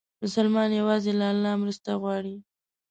مسلمان یوازې له الله مرسته غواړي.